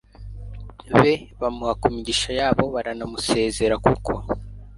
be…bamuha kumigisha yabo…baranamusezera kuko